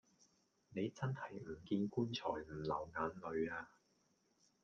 你真係唔見棺材唔流眼淚呀